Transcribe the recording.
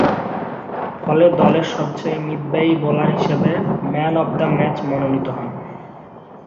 ফলে দলের সবচেয়ে মিতব্যয়ী বোলার হিসাবে ম্যান অব দ্য ম্যাচ মনোনীত হন।